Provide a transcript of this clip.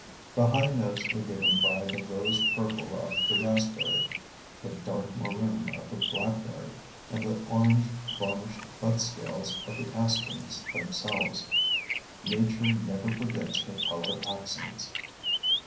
The high notes were given by the rose purple of the raspberry, the dark maroon of the blackberry, and the orange varnished budscales of the aspens themselves, Nature never forgets her color accents.